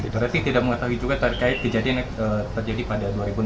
berarti tidak mengetahui juga terjadi pada dua ribu enam belas itu pak